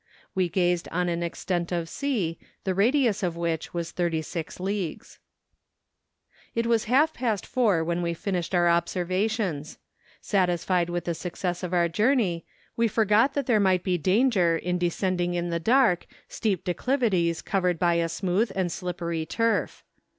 We gazed on an extent of sea, the radius of which was thirty six leagues. It was half past four when we finished our ob¬ servations. Satisfied with the success of our journey, we forgot that there might be danger in descending in the dark steep declivities covered by a smooth and slippery turf.